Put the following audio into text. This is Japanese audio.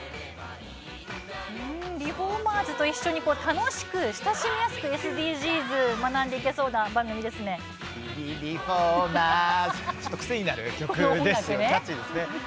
リフォーマーズと一緒に楽しく親しみやすくＳＤＧｓをちょっと癖になる曲ですね。